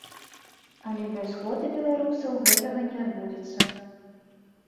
Але без згоды беларусаў гэтага не адбудзецца.